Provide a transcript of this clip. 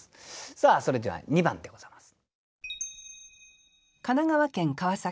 さあそれでは２番でございます。